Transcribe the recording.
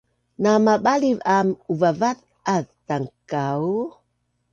Namabaliv aam uvavaz’az tankau